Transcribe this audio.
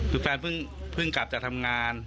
คือแฟนเพิ่งกลับจากทำงาน